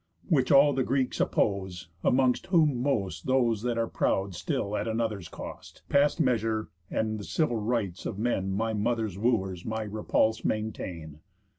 Which all the Greeks oppose; amongst whom most Those that are proud still at another's cost, Past measure, and the civil rights of men, My mother's Wooers, my repulse maintain."